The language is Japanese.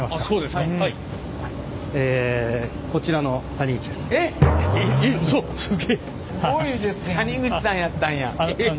谷口さんやったんや。